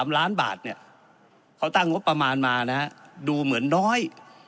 ๓ล้านบาทเนี่ยเขาตั้งงบประมาณมานะฮะดูเหมือนน้อย